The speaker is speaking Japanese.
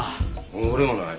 俺もない。